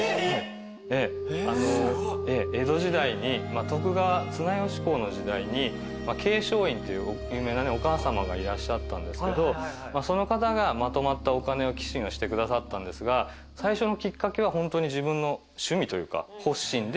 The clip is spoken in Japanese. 江戸時代に徳川綱吉公の時代に桂昌院という有名なお母さまがいらっしゃったんですけどその方がまとまったお金を寄進をしてくださったんですが最初のきっかけはホントに。